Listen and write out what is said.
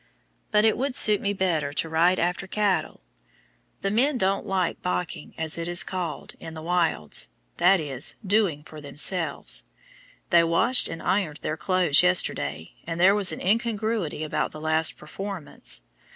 But it would suit me better to ride after cattle. The men don't like "baching," as it is called in the wilds i.e. "doing for themselves." They washed and ironed their clothes yesterday, and there was an incongruity about the last performance.